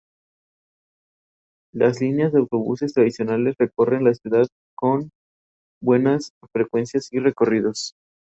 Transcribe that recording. Fruto de todo ello fue su tesis doctoral, "Toledo islámico: ciudad, arte e historia".